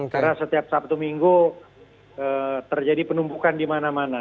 karena setiap sabtu minggu terjadi penumpukan dimana mana